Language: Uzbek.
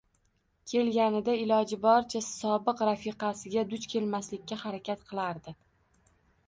Kelganida iloji boricha sobiq rafiqasiga duch kelmaslikka harakat qilardi